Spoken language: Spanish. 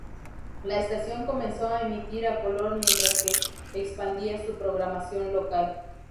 La estación comenzó a emitir a color mientras que expandía su programación local.